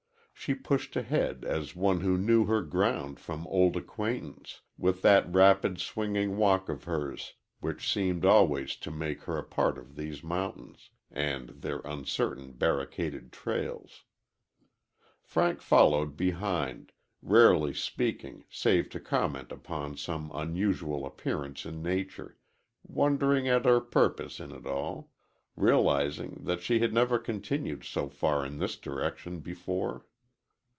She pushed ahead as one who knew her ground from old acquaintance, with that rapid swinging walk of hers which seemed always to make her a part of these mountains, and their uncertain barricaded trails. Frank followed behind, rarely speaking save to comment upon some unusual appearance in nature wondering at her purpose in it all, realizing that they had never continued so far in this direction before.